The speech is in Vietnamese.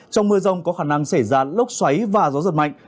trong mưa rông có khả năng xảy ra lốc xoáy và gió giật mạnh